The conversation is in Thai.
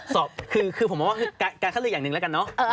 สอบคือผมมองว่าคือการคัดเลือกอย่างหนึ่งแล้วกันเนอะ